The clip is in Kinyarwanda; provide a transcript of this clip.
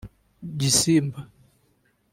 Gisimba